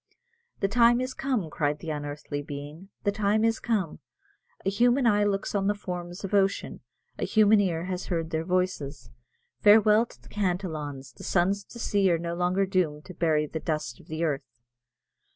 "The time is come," cried the unearthly being, "the time is come; a human eye looks on the forms of ocean, a human ear has heard their voices. Farewell to the Cantillons; the sons of the sea are no longer doomed to bury the dust of the earth!"